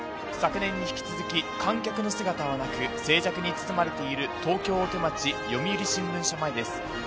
昨年に引き続き観客の姿はなく、静寂に包まれている東京・大手町、読売新聞社前です。